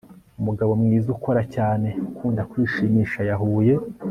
umugabo mwiza, ukora cyane, ukunda kwishimisha. yahuye